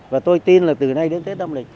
và tôi tin là từ nay đến tết âm lịch